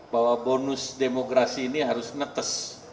bahwa bonus demografi ini harus netes